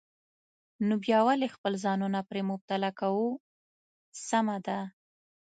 نو بیا ولې خپل ځانونه پرې مبتلا کوو؟ سمه ده.